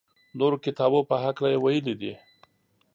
نورو کتابو په هکله یې ویلي دي.